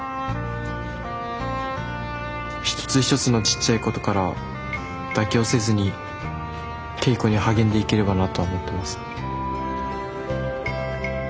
一つ一つのちっちゃいことから妥協せずに稽古に励んでいければなと思ってます。